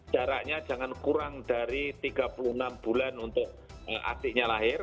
jaraknya jangan kurang dari tiga puluh enam bulan untuk asiknya lahir